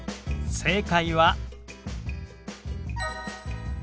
正解は。